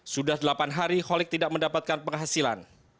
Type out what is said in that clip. sudah delapan hari holik tidak mendapatkan penghasilan